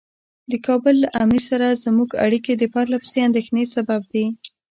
د کابل له امیر سره زموږ اړیکې د پرله پسې اندېښنې سبب دي.